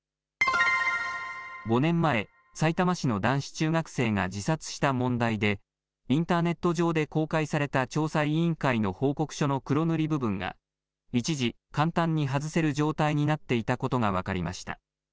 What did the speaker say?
５年前、さいたま市の男子中学生が自殺した問題でインターネット上で公開された調査委員会の報告書の黒塗り部分が一時、簡単に外せる状態になっていたことが分かりました。